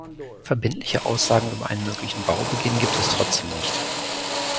Verbindliche Aussagen über einen möglichen Baubeginn gibt es trotzdem nicht.